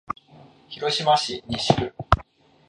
広島市西区